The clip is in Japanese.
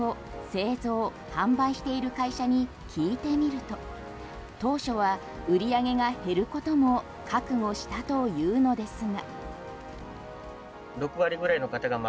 愛媛県で７０年以上にわたりじゃこ天を製造・販売している会社に聞いてみると当初は売り上げが減ることも覚悟したというのですが。